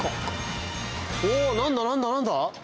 おお何だ何だ何だ？